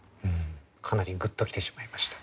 かなりグッときてしまいました。